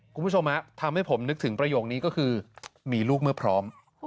คุณผู้ชมทำให้ผมนึกถึงประโยคนี้ก็คือมีลูกเมื่อพร้อม